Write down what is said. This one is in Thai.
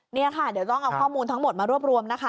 นี่ค่ะเดี๋ยวต้องเอาข้อมูลทั้งหมดมารวบรวมนะคะ